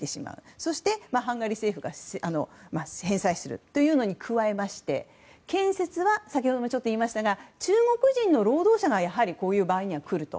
そしてハンガリーが返済するということに加えて建設は先ほども言いましたが中国人の労働者がこういう場合には来ると。